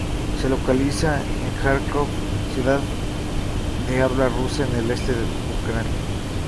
Se localiza en Járkov, ciudad de habla rusa en el este de Ucrania.